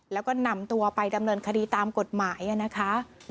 แล้วก็นำตัวไปดำเนินคดีตามกฎหมายนะคะ